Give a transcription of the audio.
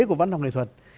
của văn học nghệ thuật